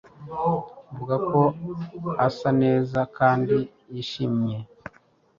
vuga ko asa neza kandi yishimye